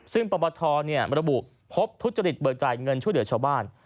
ซึ่งประวัติธรรมบริบุพบทุศจริตเบอร์จ่ายเงินช่วยเหลือชาวบ้าน